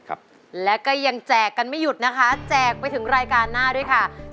เราจะไม่หยุดนะฮะแจกไปถึงรายการหน้าด้วยค่ะ